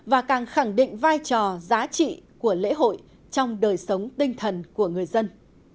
mà định vai trò giá trị của lễ hội trong đời sống tinh thần của người dân